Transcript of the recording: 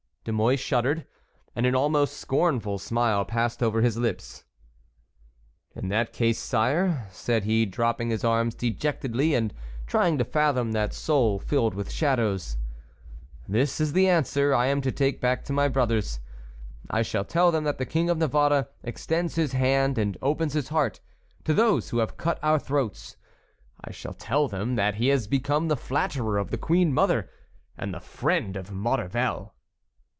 De Mouy shuddered, and an almost scornful smile passed over his lips. "In that case, sire," said he dropping his arms dejectedly, and trying to fathom that soul filled with shadows, "this is the answer I am to take back to my brothers,—I shall tell them that the King of Navarre extends his hand and opens his heart to those who have cut our throats; I shall tell them that he has become the flatterer of the queen mother and the friend of Maurevel."